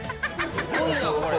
すごいなこれ！